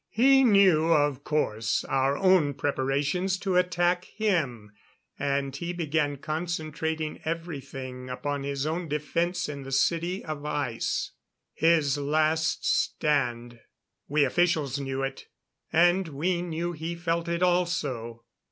He knew, of course, our own preparations to attack him; and he began concentrating everything upon his own defense in the City of Ice. His last stand. We officials knew it. And we knew he felt it also.